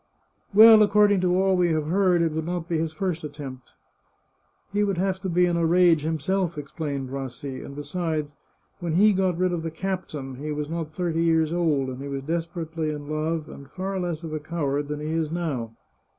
" Well, according to all we have heard, it would not be his first attempt." " He would have to be in a rage himself," replied Rassi, and besides, when he got rid of the captain, he was not 382 The Chartreuse of Parma thirty years old, and he was desperately in love and far less of a coward than he is now.